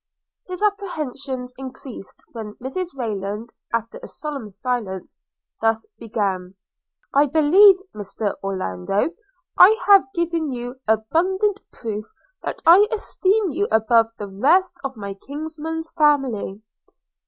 His apprehensions increased, when Mrs Rayland, after a solemn silence, thus began: 'I believe, Mr Orlando, I have given you abundant proof that I esteem you above the rest of my kinsman's family.'